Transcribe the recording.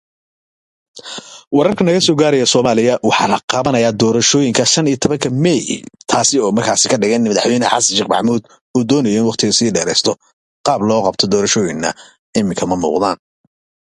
It was widely promulgated by Johann Jakob Wettstein, to whom it is often attributed.